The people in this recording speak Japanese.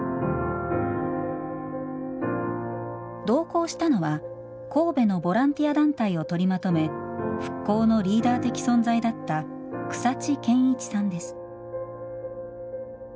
同行したのは神戸のボランティア団体を取りまとめ復興のリーダー的存在だった草地賢一さんです。